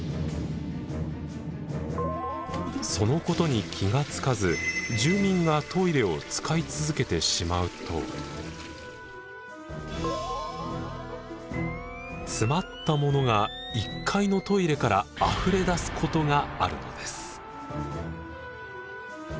そのことに気が付かず住民が詰まったものが１階のトイレからあふれ出すことがあるのです。